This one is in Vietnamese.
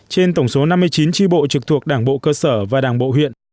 trên tổng số năm mươi chín tri bộ trực thuộc đảng bộ cơ sở và đảng bộ huyện